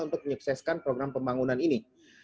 untuk menyukseskan program pembangunan ini